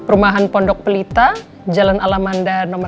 rumahan pondok pelita jalan alamanda no lima